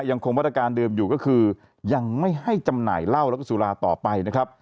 ยังคงมาตรการเดิมอยู่ก็คือยังไม่ให้จำหน่ายเหล้าแล้วก็สุราต่อไปนะครับ